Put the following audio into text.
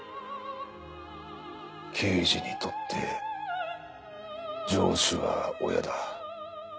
刑事にとって上司は親だ。